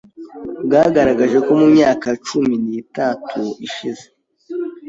bwagaragaje ko mu myaka cumi nitatu ishize,